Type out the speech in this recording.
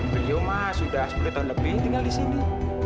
beliau mah sudah sepuluh tahun lebih tinggal di sini